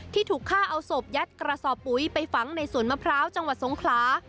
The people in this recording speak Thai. ที่ถูกฆ่าเอาศพยัดกระสอบปุ๋ยไปฝังในสวนมะพร้าวจังหวัดสงขลา